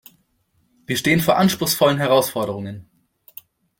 Wir stehen vor anspruchsvollen Herausforderungen.